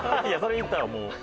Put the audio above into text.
いやそれ言ったらもう。